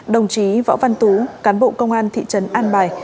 đồng chí võ văn tú cán bộ công an thị trấn an bài